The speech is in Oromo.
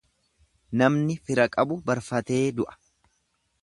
Namni fira qabu barfatee du'a.